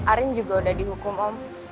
arin juga udah dihukum om